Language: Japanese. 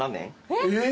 えっ！